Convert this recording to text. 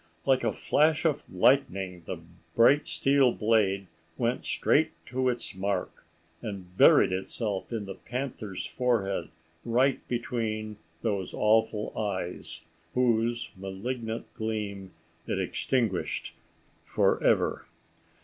Like a flash of lightning the bright steel blade went straight to its mark, and buried itself in the panther's forehead right between those awful eyes, whose malignant gleam it extinguished for ever.